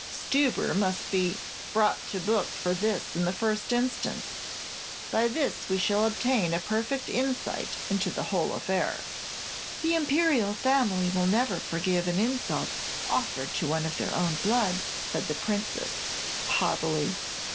Stubber must be 'brought to book' for this in the first instance. By this we shall obtain a perfect insight into the whole affair." "The Imperial family will never forgive an insult offered to one of their own blood," said the Princess, haughtily.